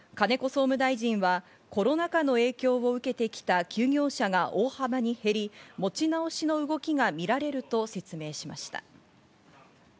総務大臣はコロナ禍の影響を受けてきた休業者が大幅に減り、持ち直しの動きがみられると説明しました。